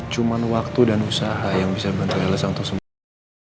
cuman waktu dan usaha yang bisa bantu alice untuk sembuh